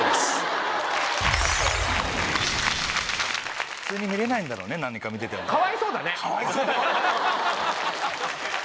・普通に見れないんだろうね何か見ててもね・かわいそうだね。